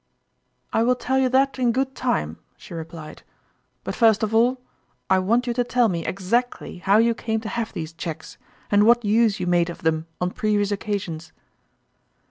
" I will tell you that in good time," she re plied ;" but, first of all, I want you to tell me exactly how you came to have these cheques, and what use you made of them on previous occasions